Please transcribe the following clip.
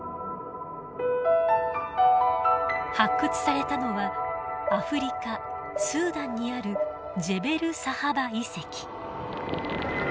発掘されたのはアフリカスーダンにあるジェベルサハバ遺跡。